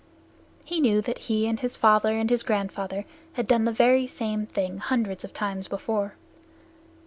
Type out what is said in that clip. He knew that he and his father and his grandfather had done the very same thing hundreds of times before.